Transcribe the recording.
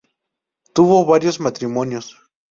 Tuvo varios matrimonios.